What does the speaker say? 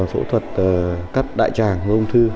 phẫu thuật cắt đại tràng của ung thư